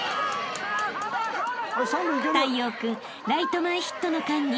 ［太陽君ライト前ヒットの間に３塁へ］